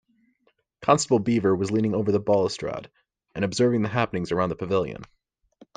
Constable Beaver was leaning over the balustrade and observing the happenings around the pavilion.